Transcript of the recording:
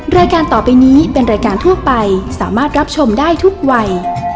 รายการต่อไปนี้เป็นรายการทั่วไปสามารถรับชมได้ทุกวัย